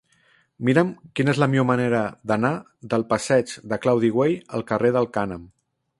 Mira'm quina és la millor manera d'anar del passeig de Claudi Güell al carrer del Cànem.